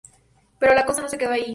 Pero la cosa no se quedó ahí.